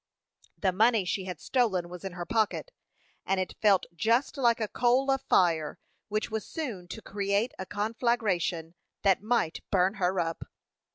The money she had stolen was in her pocket, and it felt just like a coal of fire, which was soon to create a conflagration that might burn her up.